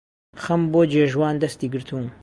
خەم بۆ جێژوان دەستی گرتووم